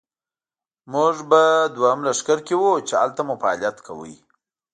موږ په دوهم لښکر کې وو، چې هلته مو فعالیت کاوه.